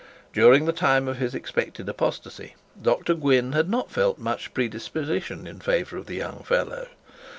During the time of his expected apostasy, Dr Gwynne had not felt much predisposition in favour of the young fellow.